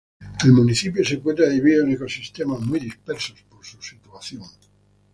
El municipio se encuentra dividido en ecosistemas muy dispersos por su situación.